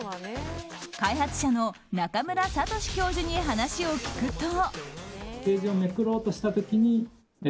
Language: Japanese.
開発者の中村聡史教授に話を聞くと。